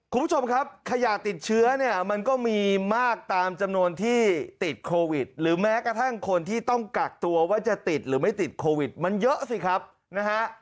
คุณผู้ชมครับขยะติดเชื้อเนี่ยมันก็มีมากตามจำนวนที่ติดโควิดหรือแม้กระทั่งคนที่ต้องกักตัวว่าจะติดหรือไม่ติดโควิดมันเยอะสิครับนะฮะ